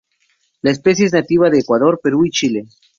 La especie es nativa de Ecuador, Perú y Chile.